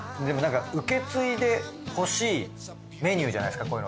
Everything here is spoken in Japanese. でもなんか受け継いでほしいメニューじゃないですか？